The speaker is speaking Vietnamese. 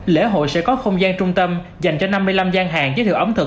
lễ hội sẽ có không gian trung tâm dành cho năm mươi năm gian hàng giới thiệu ẩm thực